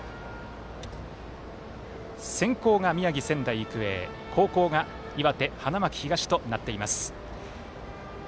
先攻が宮城の仙台育英後攻が岩手の花巻東となっています。